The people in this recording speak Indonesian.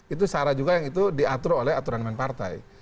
itu cara juga yang diatur oleh aturan partai